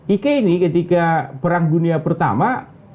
i k ini ketika perang dunia pertama